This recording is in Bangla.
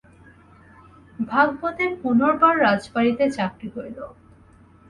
ভাগবতের পুনর্বার রাজবাড়িতে চাকরি হইল।